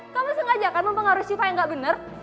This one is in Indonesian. kamu sengaja kan mau pengaruhi sisyifa yang gak bener